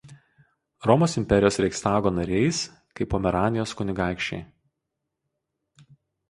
Romos imperijos Reichstago nariais kaip Pomeranijos kunigaikščiai.